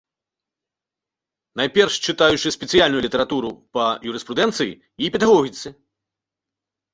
Найперш чытаючы спецыяльную літаратуру па юрыспрудэнцыі і педагогіцы.